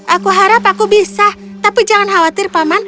aku harap aku bisa tapi jangan khawatir paman